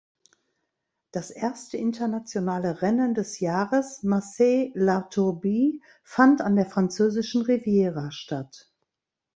Das erste internationale Rennen des Jahres Marseille–La Turbie fand an der Französischen Riviera statt.